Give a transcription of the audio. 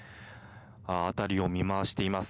辺りを見回しています。